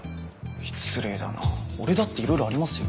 失礼だな俺だっていろいろありますよ。